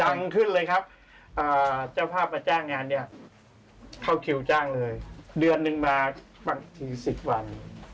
ดังขึ้นเลยครับเจ้าภาพมาจ้างงานเนี่ยเข้าคิวจ้างเลยเดือนนึงมาบางที๑๐วัน